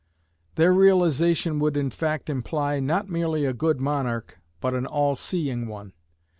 Their realization would in fact imply, not merely a good monarch, but an all seeing one.